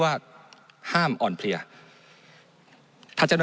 มันตรวจหาได้ระยะไกลตั้ง๗๐๐เมตรครับ